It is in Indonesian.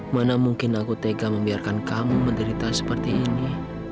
mana mungkin aku tega membiarkan kamu menderita seperti ini